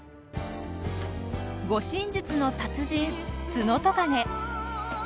護身術の達人ツノトカゲ。